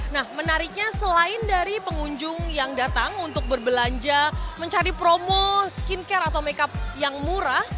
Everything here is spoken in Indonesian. nah menariknya selain dari pengunjung yang datang untuk berbelanja mencari promo skincare atau makeup yang murah